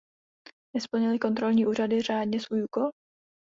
Nesplnily kontrolní úřady řádně svůj úkol?